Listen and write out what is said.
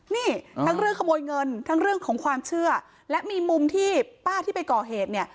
นี่ทั้งเรื่องขโมยเงินทั้งเรื่องของความเชื่อและมีมุมที่ป้าที่ไปก่อเหตุเนี่ย